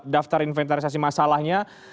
daftar inventarisasi masalahnya